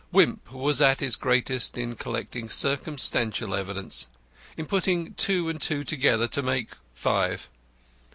Wimp was at his greatest in collecting circumstantial evidence; in putting two and two together to make five.